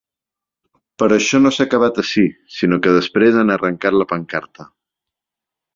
Però això no s’ha acabat ací, sinó que després han arrencat la pancarta.